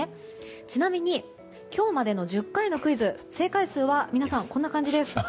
ちなみに今日までの１０回のクイズ正解数は皆さんこんな感じです。